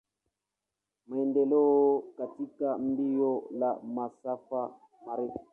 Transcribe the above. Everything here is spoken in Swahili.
Maendeleo katika mbio ya masafa marefu.